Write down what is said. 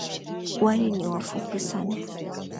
Wale ni wafupi sana.